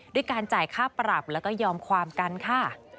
ด้วยการจ่ายค่าปรับแล้วก็ยอมความกันค่ะ